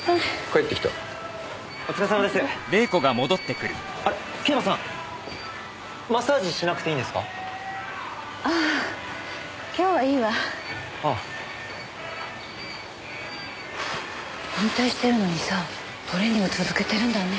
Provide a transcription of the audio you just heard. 引退してるのにさトレーニング続けてるんだね。